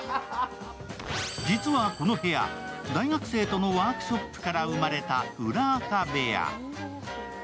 実はこの部屋、大学生とのワークショップから生まれた裏アカ部屋。